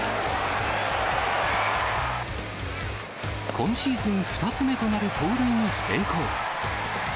今シーズン２つ目となる盗塁に成功。